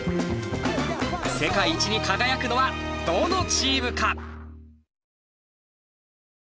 世界一に輝くのはどのチームか？